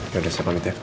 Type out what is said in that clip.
yaudah saya pamit ya